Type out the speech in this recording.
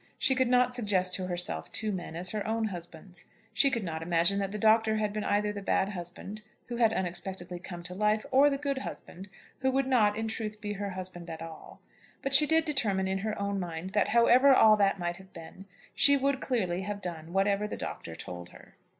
She could not suggest to herself two men as her own husbands. She could not imagine that the Doctor had been either the bad husband, who had unexpectedly come to life, or the good husband, who would not, in truth, be her husband at all; but she did determine, in her own mind, that, however all that might have been, she would clearly have done whatever the Doctor told her.